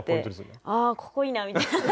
こうやってああここいいなみたいな。